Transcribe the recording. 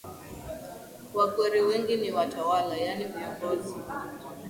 Wakwere wengi ni watawala yaani viongozi